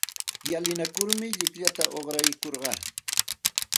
Llalinakurmi llikllata uqraykurqaa.